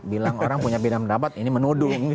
bilang orang punya pendapat ini menudung